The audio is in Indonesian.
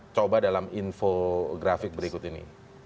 coba dalam infografik berikut ini